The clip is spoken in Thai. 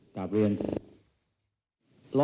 กลับเรียนครับ